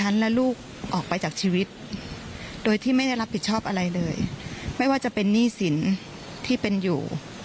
ไม่ได้รับผิดชอบอะไรเลยไม่ว่าจะเป็นนี่สินที่เป็นอยู่